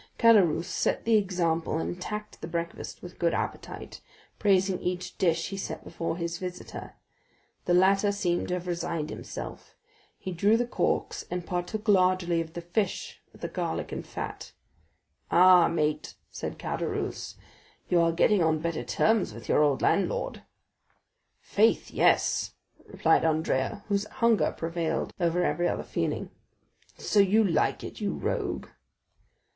Caderousse set the example and attacked the breakfast with good appetite, praising each dish he set before his visitor. The latter seemed to have resigned himself; he drew the corks, and partook largely of the fish with the garlic and fat. "Ah, mate," said Caderousse, "you are getting on better terms with your old landlord!" "Faith, yes," replied Andrea, whose hunger prevailed over every other feeling. "So you like it, you rogue?"